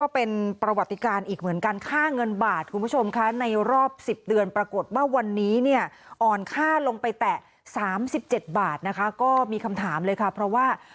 เป็นประวัติการอีกเหมือนกันค่าเงินบาทคุณผู้ชมค่ะในรอบ๑๐เดือนปรากฏว่าวันนี้เนี่ยอ่อนค่าลงไปแต่๓๗บาทนะคะก็มีคำถามเลยค่ะเพราะว่า